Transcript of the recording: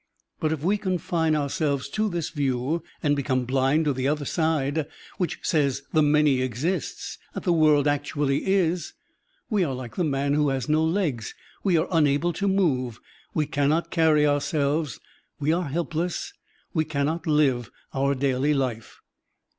But if we confine ourselves to this view and become blind to the other side, which says that the many exists, that the world actually is, we are like the man who has no legs ; we are unable to move, we cannot carry ourselves, we are helpless, we cannot live our daily life.